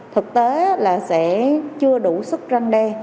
thực tế là sẽ chưa đủ sức răng đe